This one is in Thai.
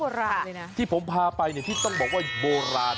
ที่ผมพาไปเนี่ยที่ต้องบอกว่าโบราณ